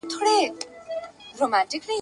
را لنډ کړی به مي خپل د ژوند مزل وي ..